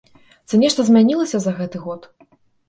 Ці нешта змянілася за гэты год?